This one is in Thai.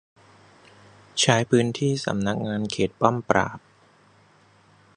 ใช้พื้นที่สำนักงานเขตป้อมปราบ